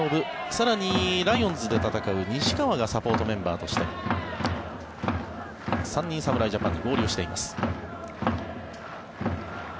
更にライオンズで戦う西川がサポートメンバーとして３人、侍ジャパンに合流しています。